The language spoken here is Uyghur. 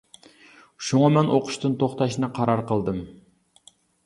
شۇڭا مەن ئوقۇشتىن توختاشنى قارار قىلدىم.